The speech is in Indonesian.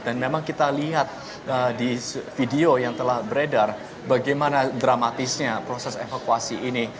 dan memang kita lihat di video yang telah beredar bagaimana dramatisnya proses evakuasi ini